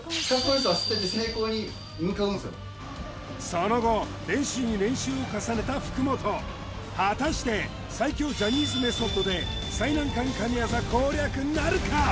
その後練習に練習を重ねた福本果たして最強ジャニーズメソッドで最難関神業攻略なるか？